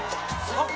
あっ！